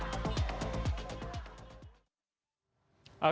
tim liputan cnn indonesia jakarta